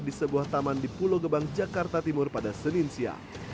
di sebuah taman di pulau gebang jakarta timur pada senin siang